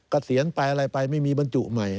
เกษียณไปอะไรไปไม่มีบรรจุใหม่